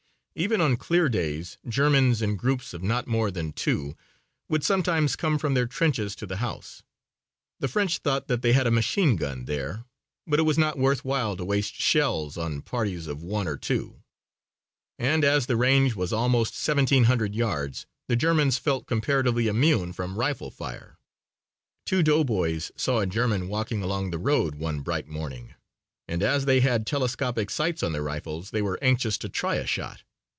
Even on clear days Germans in groups of not more than two would sometimes come from their trenches to the house. The French thought that they had a machine gun there, but it was not worth while to waste shells on parties of one or two and as the range was almost 1700 yards the Germans felt comparatively immune from rifle fire. Two doughboys saw a German walking along the road one bright morning and as they had telescopic sights on their rifles they were anxious to try a shot.